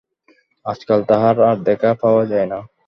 আজকাল তাঁহার আর দেখাই পাওয়া যায় না।